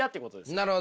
なるほど。